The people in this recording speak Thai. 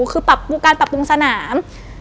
คือการปรับปรุงสนาม